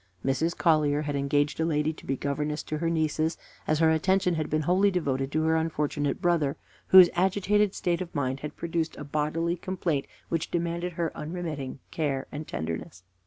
Mrs. Collier had engaged a lady to be governess to her nieces, as her attention had been wholly devoted to her unfortunate brother, whose agitated state of mind had produced a bodily complaint which demanded her unremitting care and tenderness.